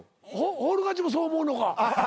フォール勝ちもそう思うのか？